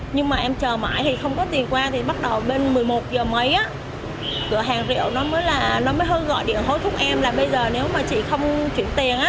nhưng mà em chờ mãi thì không có tiền qua thì bắt đầu bên một mươi một giờ mấy cửa hàng rượu nó mới hơi gọi điện hối thúc em là bây giờ nếu mà chị không chuyển tiền